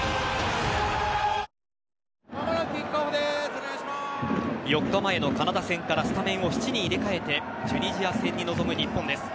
新しくなった４日前のカナダ戦からスタメンを７人入れ替えてチュニジア戦に臨む日本です。